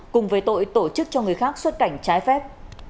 cùng với tội tổ chức cho người khác xuất cảnh trái phép